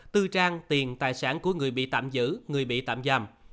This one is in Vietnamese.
tư trang tiền tài sản của người bị tạm giữ người bị tạm giam